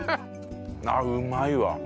あっうまいわ！